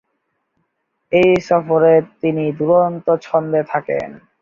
এই সফরে তিনি দুরন্ত ছন্দে থাকেন।